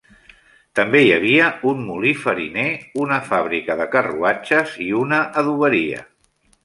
També hi havia un molí fariner, una fàbrica de carruatges i una adoberia.